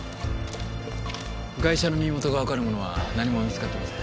被害者の身元がわかるものは何も見つかってません。